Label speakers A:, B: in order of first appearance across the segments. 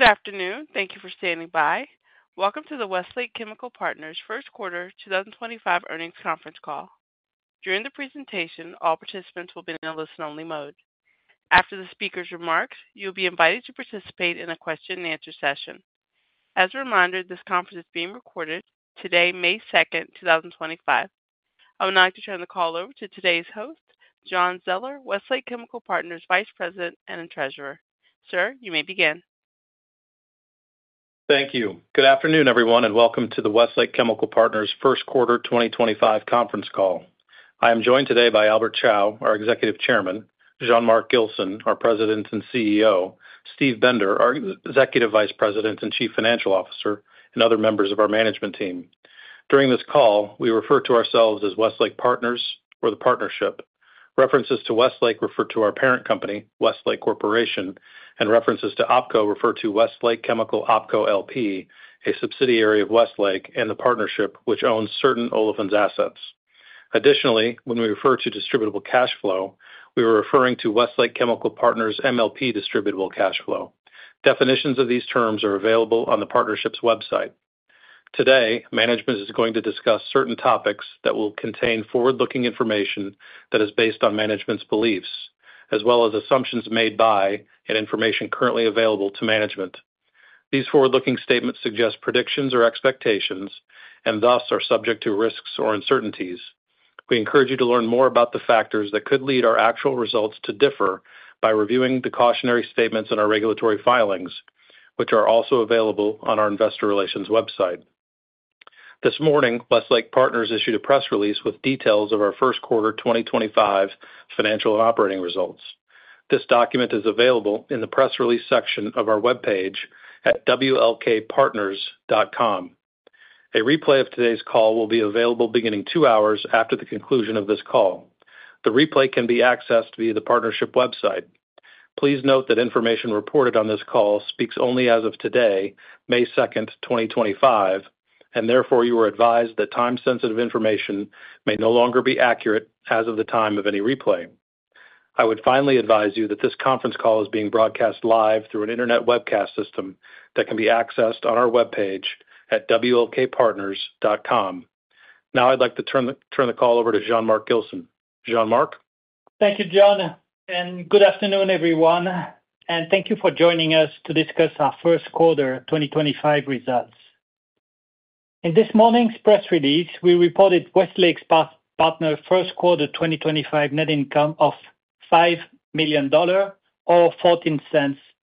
A: Good afternoon. Thank you for standing by. Welcome to the Westlake Chemical Partners' first quarter 2025 earnings conference call. During the presentation, all participants will be in a listen-only mode. After the speaker's remarks, you'll be invited to participate in a question-and-answer session. As a reminder, this conference is being recorded today, May 2nd, 2025. I would now like to turn the call over to today's host, John Zoeller, Westlake Chemical Partners' Vice President and Treasurer. Sir, you may begin.
B: Thank you. Good afternoon, everyone, and welcome to the Westlake Chemical Partners' first quarter 2025 conference call. I am joined today by Albert Chao, our Executive Chairman, Jean-Marc Gilson, our President and CEO, Steve Bender, our Executive Vice President and Chief Financial Officer, and other members of our management team. During this call, we refer to ourselves as Westlake Partners or the partnership. References to Westlake refer to our parent company, Westlake Corporation, and references to OpCo refer to Westlake Chemical OpCo LP, a subsidiary of Westlake and the partnership which owns certain Olefins assets. Additionally, when we refer to distributable cash flow, we are referring to Westlake Chemical Partners' MLP distributable cash flow. Definitions of these terms are available on the partnership's website. Today, management is going to discuss certain topics that will contain forward-looking information that is based on management's beliefs, as well as assumptions made by and information currently available to management. These forward-looking statements suggest predictions or expectations and thus are subject to risks or uncertainties. We encourage you to learn more about the factors that could lead our actual results to differ by reviewing the cautionary statements in our regulatory filings, which are also available on our investor relations website. This morning, Westlake Chemical Partners issued a press release with details of our first quarter 2025 financial and operating results. This document is available in the press release section of our web page at wlkpartners.com. A replay of today's call will be available beginning two hours after the conclusion of this call. The replay can be accessed via the partnership website. Please note that information reported on this call speaks only as of today, May 2nd, 2025, and therefore you are advised that time-sensitive information may no longer be accurate as of the time of any replay. I would finally advise you that this conference call is being broadcast live through an internet webcast system that can be accessed on our web page at wlkpartners.com. Now I'd like to turn the call over to Jean-Marc Gilson. Jean-Marc.
C: Thank you, John, and good afternoon, everyone, and thank you for joining us to discuss our first quarter 2025 results. In this morning's press release, we reported Westlake Chemical Partners' first quarter 2025 net income of $5 million or $0.14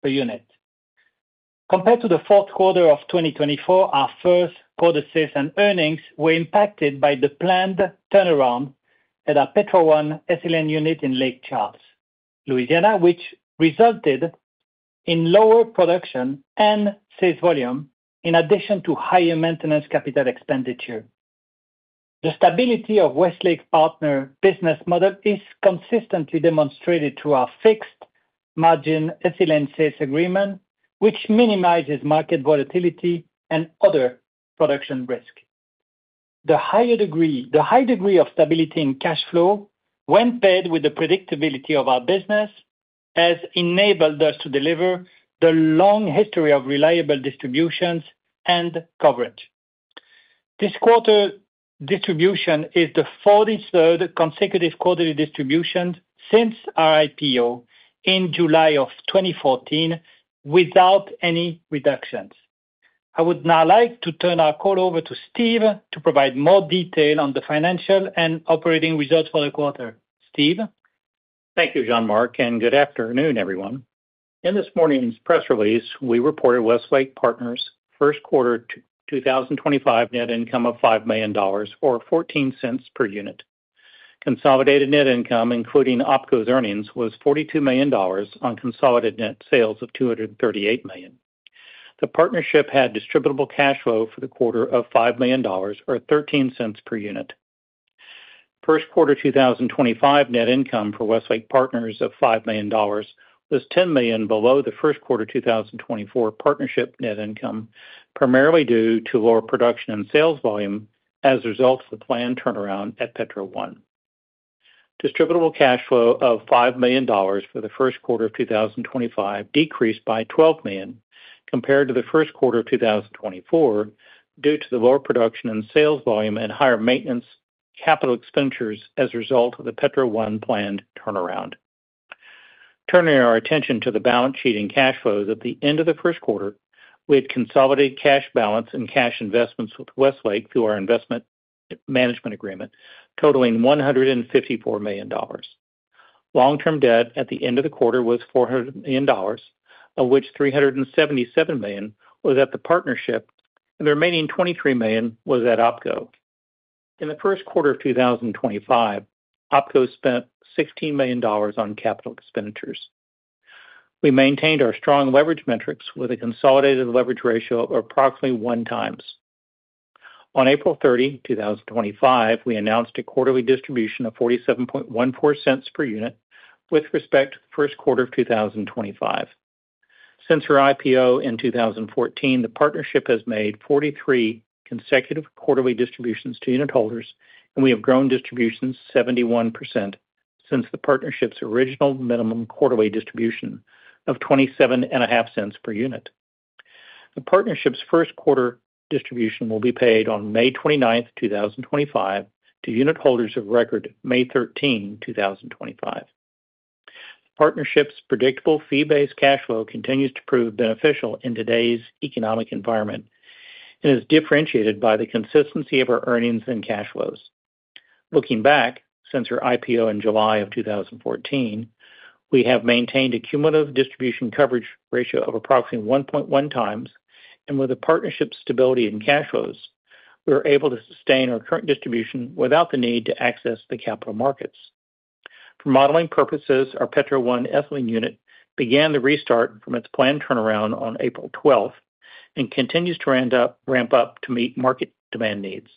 C: per unit. Compared to the fourth quarter of 2024, our first quarter sales and earnings were impacted by the planned turnaround at our Petro One ethylene unit in Lake Charles, Louisiana, which resulted in lower production and sales volume in addition to higher maintenance capital expenditure. The stability of Westlake Chemical Partners' business model is consistently demonstrated through our fixed margin Ethylene sales agreement, which minimizes market volatility and other production risk. The high degree of stability in cash flow, when paired with the predictability of our business, has enabled us to deliver the long history of reliable distributions and coverage. This quarter distribution is the 43rd consecutive quarterly distribution since our IPO in July of 2014 without any reductions. I would now like to turn our call over to Steven to provide more detail on the financial and operating results for the quarter. Steven?
D: Thank you, Jean-Marc, and good afternoon, everyone. In this morning's press release, we reported Westlake Chemical Partners' first quarter 2025 net income of $5 million or $0.14 per unit. Consolidated net income, including OpCo's earnings, was $42 million on consolidated net sales of $238 million. The partnership had distributable cash flow for the quarter of $5 million or $0.13 per unit. First quarter 2025 net income for Westlake Chemical Partners of $5 million was $10 million below the first quarter 2024 partnership net income, primarily due to lower production and sales volume as a result of the planned turnaround at Petro One. Distributable cash flow of $5 million for the first quarter of 2025 decreased by $12 million compared to the first quarter of 2024 due to the lower production and sales volume and higher maintenance capital expenditures as a result of the Petro One planned turnaround. Turning our attention to the balance sheet and cash flows at the end of the first quarter, we had consolidated cash balance and cash investments with Westlake through our investment management agreement, totaling $154 million. Long-term debt at the end of the quarter was $400 million, of which $377 million was at the partnership, and the remaining $23 million was at OpCo. In the first quarter of 2025, OpCo spent $16 million on capital expenditures. We maintained our strong leverage metrics with a consolidated leverage ratio of approximately 1 times. On April 30, 2025, we announced a quarterly distribution of $47.14 per unit with respect to the first quarter of 2025. Since our IPO in 2014, the partnership has made 43 consecutive quarterly distributions to unit holders, and we have grown distributions 71% since the partnership's original minimum quarterly distribution of $27.50 per unit. The partnership's first quarter distribution will be paid on May 29, 2025, to unit holders of record May 13, 2025. The partnership's predictable fee-based cash flow continues to prove beneficial in today's economic environment and is differentiated by the consistency of our earnings and cash flows. Looking back since our IPO in July of 2014, we have maintained a cumulative distribution coverage ratio of approximately 1.1 times, and with the partnership's stability in cash flows, we were able to sustain our current distribution without the need to access the capital markets. For modeling purposes, our Petro One ethylene unit began the restart from its planned turnaround on April 12 and continues to ramp up to meet market demand needs.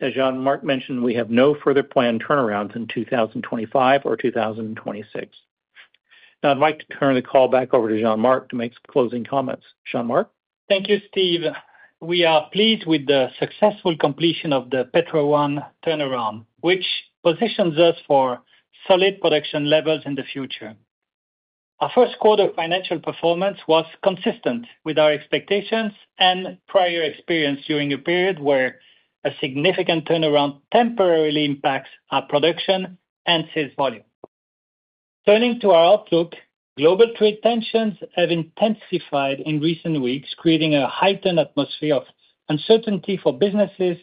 D: As Jean-Marc mentioned, we have no further planned turnarounds in 2025 or 2026. Now I'd like to turn the call back over to Jean-Marc to make some closing comments. Jean-Marc?
C: Thank you, Steven. We are pleased with the successful completion of the Petro One turnaround, which positions us for solid production levels in the future. Our first quarter financial performance was consistent with our expectations and prior experience during a period where a significant turnaround temporarily impacts our production and sales volume. Turning to our outlook, global trade tensions have intensified in recent weeks, creating a heightened atmosphere of uncertainty for businesses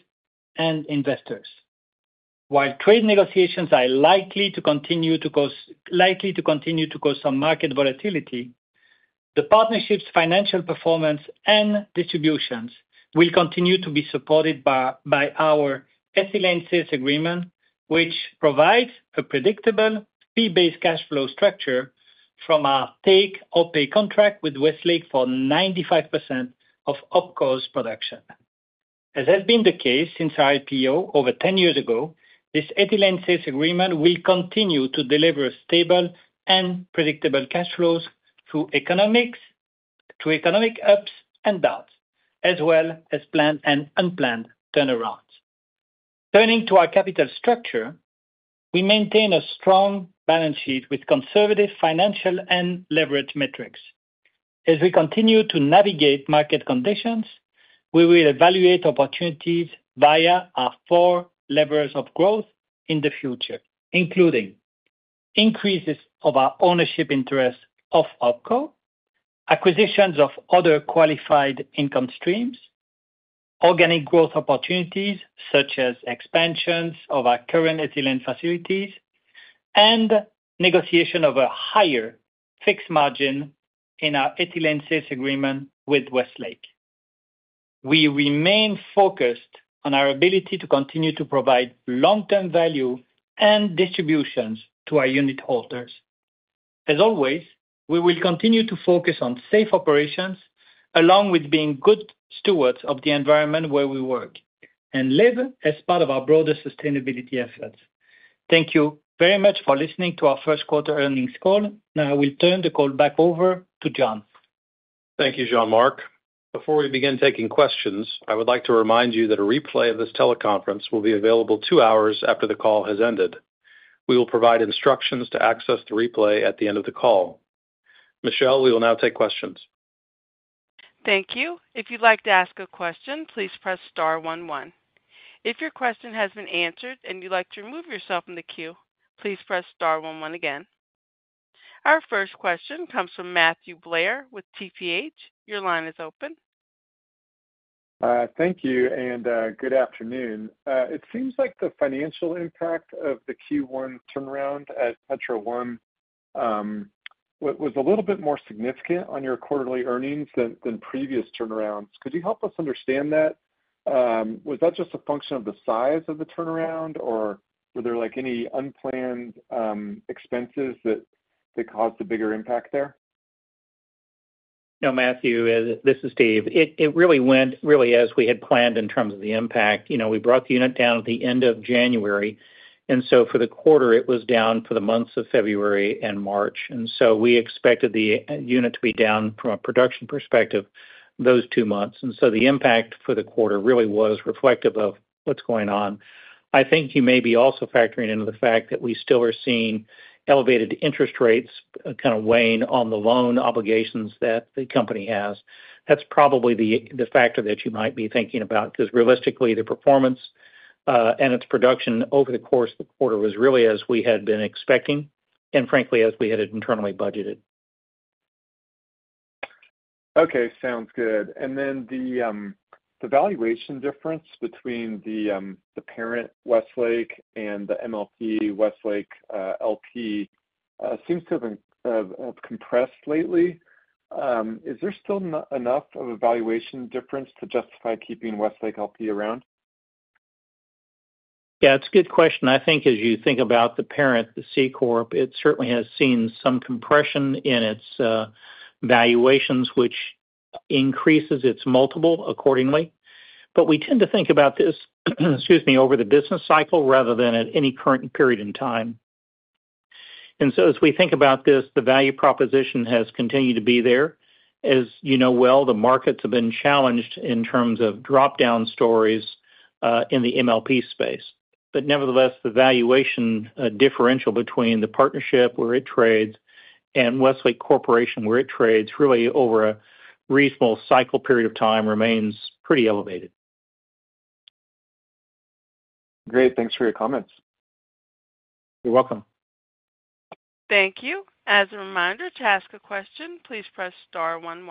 C: and investors. While trade negotiations are likely to continue to cause some market volatility, the partnership's financial performance and distributions will continue to be supported by our Ethylene Sales Agreement, which provides a predictable fee-based cash flow structure from our take-or-pay contract with Westlake for 95% of OpCo's production. As has been the case since our IPO over 10 years ago, this Ethylene Sales Agreement will continue to deliver stable and predictable cash flows through economic ups and downs, as well as planned and unplanned turnarounds. Turning to our capital structure, we maintain a strong balance sheet with conservative financial and leverage metrics. As we continue to navigate market conditions, we will evaluate opportunities via our four levers of growth in the future, including increases of our ownership interest of OpCo, acquisitions of other qualified income streams, organic growth opportunities such as expansions of our current ethylene facilities, and negotiation of a higher fixed margin in our Ethylene Sales Agreement with Westlake. We remain focused on our ability to continue to provide long-term value and distributions to our unit holders. As always, we will continue to focus on safe operations along with being good stewards of the environment where we work and live as part of our broader sustainability efforts. Thank you very much for listening to our first quarter earnings call. Now I will turn the call back over to John.
B: Thank you, Jean-Marc. Before we begin taking questions, I would like to remind you that a replay of this teleconference will be available two hours after the call has ended. We will provide instructions to access the replay at the end of the call. Michelle, we will now take questions.
A: Thank you. If you'd like to ask a question, please press star 11. If your question has been answered and you'd like to remove yourself from the queue, please press star 11 again. Our first question comes from Matthew Blair with TPH. Your line is open.
E: Thank you and good afternoon. It seems like the financial impact of the Q1 turnaround at Petro One was a little bit more significant on your quarterly earnings than previous turnarounds. Could you help us understand that? Was that just a function of the size of the turnaround, or were there any unplanned expenses that caused a bigger impact there?
D: No, Matthew, this is Steve. It really went really as we had planned in terms of the impact. We brought the unit down at the end of January, and for the quarter, it was down for the months of February and March. We expected the unit to be down from a production perspective those two months. The impact for the quarter really was reflective of what is going on. I think you may be also factoring in the fact that we still are seeing elevated interest rates kind of weighing on the loan obligations that the company has. That is probably the factor that you might be thinking about because realistically, the performance and its production over the course of the quarter was really as we had been expecting and frankly as we had internally budgeted.
E: Okay, sounds good. The valuation difference between the parent Westlake and the MLP Westlake LP seems to have compressed lately. Is there still enough of a valuation difference to justify keeping Westlake LP around?
D: Yeah, it's a good question. I think as you think about the parent, the C Corp, it certainly has seen some compression in its valuations, which increases its multiple accordingly. I think we tend to think about this, excuse me, over the business cycle rather than at any current period in time. And so as we think about this, the value proposition has continued to be there. As you know well, the markets have been challenged in terms of dropdown stories in the MLP space. Nevertheless, the valuation differential between the partnership where it trades and Westlake Corporation where it trades really over a reasonable cycle period of time remains pretty elevated.
E: Great. Thanks for your comments.
D: You're welcome.
A: Thank you. As a reminder to ask a question, please press star 11.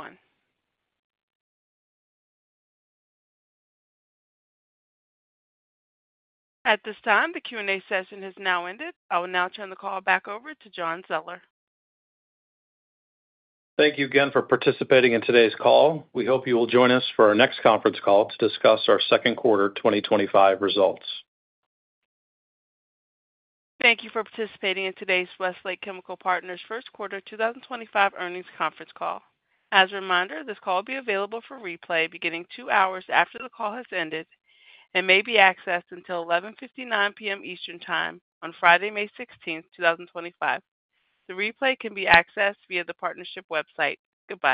A: At this time, the Q&A session has now ended. I will now turn the call back over to John Zoeller.
B: Thank you again for participating in today's call. We hope you will join us for our next conference call to discuss our second quarter 2025 results.
A: Thank you for participating in today's Westlake Chemical Partners' first quarter 2025 earnings conference call. As a reminder, this call will be available for replay beginning two hours after the call has ended and may be accessed until 11:59 P.M. Eastern Time on Friday, May 16, 2025. The replay can be accessed via the partnership website. Goodbye.